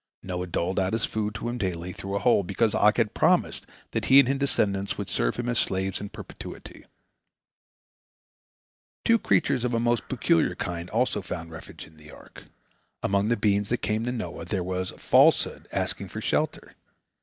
Noah doled out his food to him daily, through a hole, because Og had promised that he and his descendants would serve him as slaves in perpetuity. Two creatures of a most peculiar kind also found refuge in the ark. Among the beings that came to Noah there was Falsehood asking for shelter.